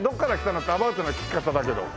ってアバウトな聞き方だけど。